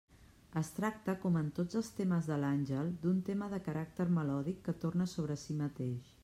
Es tracta, com en tots els temes de l'àngel, d'un tema de caràcter melòdic que torna sobre si mateix.